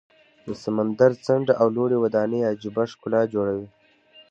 د سمندر څنډه او لوړې ودانۍ عجیبه ښکلا جوړوي.